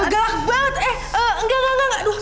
galak banget eh enggak enggak